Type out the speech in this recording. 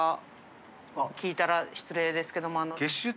聞いたら失礼ですけども。